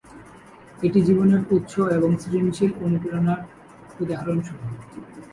এটি জীবনের উৎস এবং সৃজনশীল অনুপ্রেরণার উদাহরণস্বরূপ।